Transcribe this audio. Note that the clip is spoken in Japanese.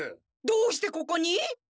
どうしてここに？